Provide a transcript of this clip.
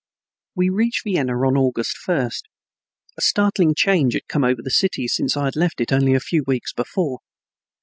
We reached Vienna on August first. A startling change had come over the city since I had left it only a few weeks before.